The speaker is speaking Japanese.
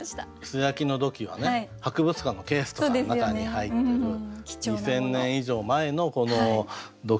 素焼きの土器は博物館のケースとかの中に入ってる２，０００年以上前の土器なんですけどね。